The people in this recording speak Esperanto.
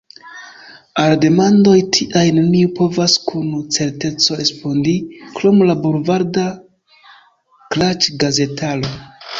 Al demandoj tiaj neniu povas kun certeco respondi – krom la bulvarda klaĉgazetaro.